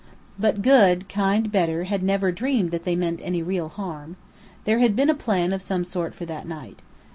But good, kind Bedr had never dreamed that they meant any real harm. There had been a plan of some sort for that night.